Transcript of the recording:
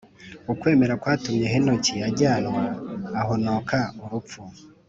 ukwemera kwatumye henoki ajyanwa ahonoka urupfu